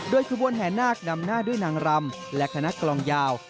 ขบวนแห่นาคนำหน้าด้วยนางรำและคณะกลองยาว